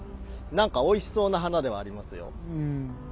何かおいしそうな花ではありますよ。